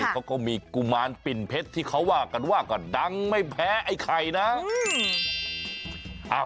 เขาก็มีกุมารปิ่นเพชรที่เขาว่ากันว่าก็ดังไม่แพ้ไอ้ไข่นะ